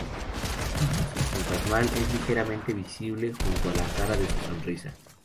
Un rostro fantasmal es ligeramente visible junto a la cara de su sonrisa.